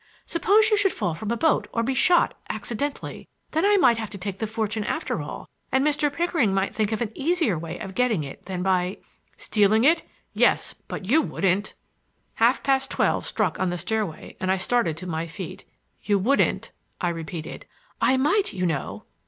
Suppose you should fall from a boat, or be shot—accidentally—then I might have to take the fortune after all; and Mr. Pickering might think of an easier way of getting it than by—" "Stealing it! Yes, but you wouldn't—!" Half past twelve struck on the stairway and I started to my feet. "You wouldn't—" I repeated. "I might, you know!"